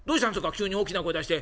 急に大きな声出して」。